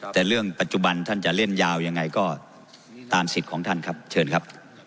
แต่เรื่องปัจจุบันท่านจะเล่นยาวยังไงก็ตามสิทธิ์ของท่านครับเชิญครับ